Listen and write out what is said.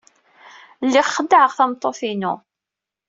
Lliɣ xeddɛeɣ tameṭṭut-inu.